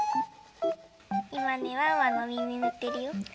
いまねワンワンのおみみぬってるよ。